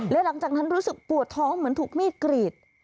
และหลังจากนั้นรู้สึกปวดท้องเหมือนถูกมีดกรีด